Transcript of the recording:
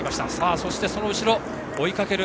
そして、その後ろを追いかける